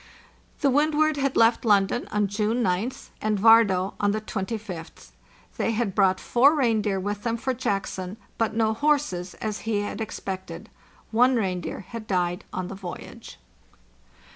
The Windward had left London on June goth, and Vard6é on the 25th. They had brought four reindeer with them for Jackson, but no horses, as he had expected.* One reindeer had died on the voyage.